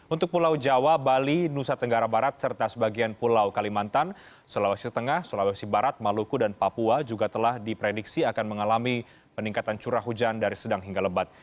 untuk pulau jawa bali nusa tenggara barat serta sebagian pulau kalimantan sulawesi tengah sulawesi barat maluku dan papua juga telah diprediksi akan mengalami peningkatan curah hujan dari sedang hingga lebat